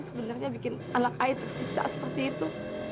sebenarnya bikin anak ai tersiksa seperti itu